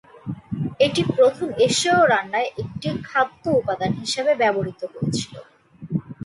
এটি প্রথম এশিয় রান্নায় একটি খাদ্য উপাদান হিসাবে ব্যবহৃত হয়েছিল।